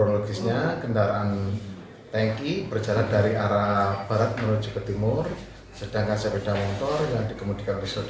sehingga hilang kendali dan menabrak truk tangki tersebut